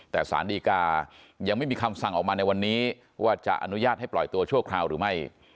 แต่สารดีกายังไม่มีคำสั่งออกมาในวันนี้ว่าจะอนุญาตให้ปล่อยตัวชั่วคราวหรือไม่